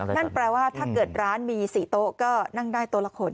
นั่นแปลว่าถ้าเกิดร้านมี๔โต๊ะก็นั่งได้โต๊ะละคน